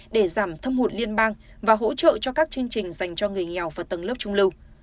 để giảm thâm hụt liên bang và hỗ trợ cho các chương trình dành cho người nghèo và tầng lớp trung lưu